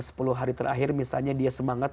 sepuluh hari terakhir misalnya dia semangat